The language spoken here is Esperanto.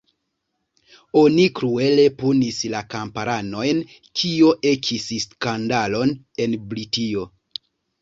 Oni kruele punis la kamparanojn, kio ekis skandalon en Britio.